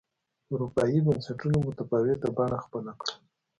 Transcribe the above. اروپايي بنسټونو متفاوته بڼه خپله کړه.